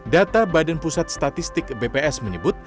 data badan pusat statistik bps menyebut